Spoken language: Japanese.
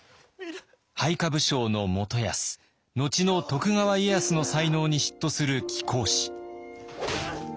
配下武将の元康後の徳川家康の才能に嫉妬する貴公子。